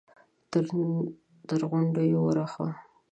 تر غونډيو ور هاخوا!